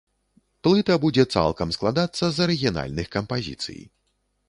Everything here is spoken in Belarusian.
Плыта будзе цалкам складацца з арыгінальных кампазіцый.